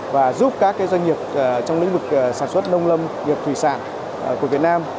và giúp các doanh nghiệp trong lĩnh vực sản xuất nông lâm nghiệp thủy sản của việt nam